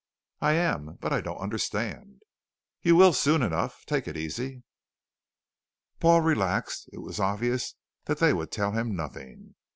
"I am, but I don't understand." "You will soon enough. Take it easy." Paul relaxed. It was obvious that they would tell him nothing.